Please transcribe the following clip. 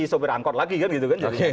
sopir angkot lagi kan gitu kan